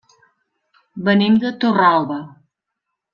Venim de Torralba.